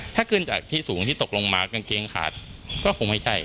ถ้าขึ้นจากที่สูงที่ตกลงมากางเกงขาดก็คงไม่ใช่